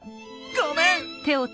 ごめん！